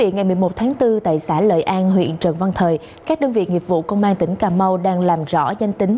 ngày một mươi một tháng bốn tại xã lợi an huyện trần văn thời các đơn vị nghiệp vụ công an tỉnh cà mau đang làm rõ danh tính